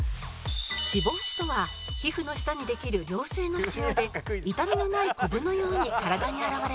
脂肪腫とは皮膚の下にできる良性の腫瘍で痛みのないコブのように体に現れます